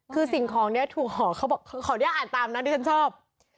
คือสิ่งคล้อนี้ถูกห่อเขาอยากอ่านตามนะดิฉันชอบ